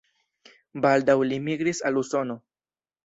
Baldaŭ li migris al Usono.